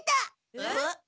えっ？